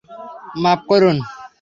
মাফ করুন।